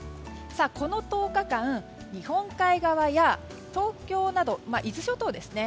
この１０日間日本海側や東京など伊豆諸島ですね。